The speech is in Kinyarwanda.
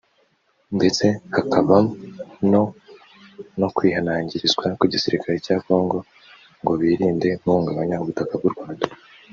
ndetse hakabano no kwihanangirizwa kw’iigisirikare cya Kongo ngo birinde guhungabanya ubutaka bw’u Rwanda